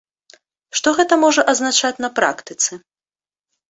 Што гэта можа азначаць на практыцы?